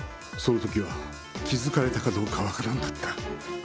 その時は気づかれたかどうかわからなかった。